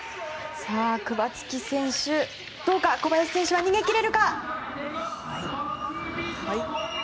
クバツキ選手どうか小林選手、逃げ切れるか。